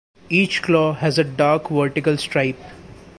Each claw has a dark vertical stripe.